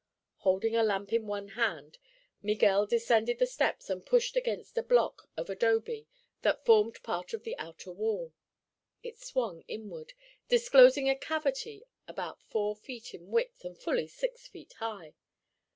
Holding a lamp in one hand Miguel descended the steps and pushed against a block of adobe that formed part of the outer wall. It swung inward, disclosing a cavity about four feet in width and fully six feet high.